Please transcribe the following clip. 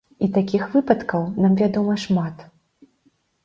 І такіх выпадкаў нам вядома шмат.